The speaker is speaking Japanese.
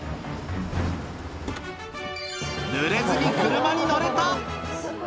ぬれずに車に乗れた。